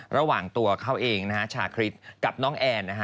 ระหว่างตัวเขาเองนะฮะชาคริสกับน้องแอนนะฮะ